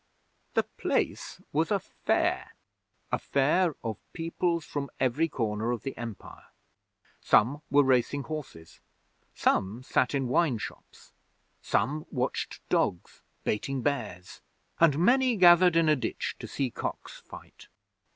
The place was a fair a fair of peoples from every corner of the Empire. Some were racing horses: some sat in wine shops: some watched dogs baiting bears, and many gathered in a ditch to see cocks fight.